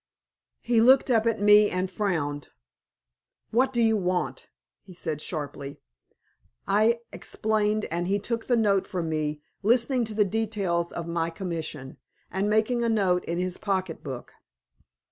He looked up at me and frowned. "What do you want?" he said, sharply. I explained, and he took the note from me, listening to the details of my commission, and making a note in his pocket book.